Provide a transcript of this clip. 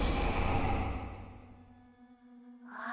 ああ